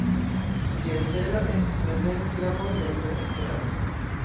Ĝia celo estas "prezenti la mondon per Esperanto".